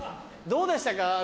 どうでしたか？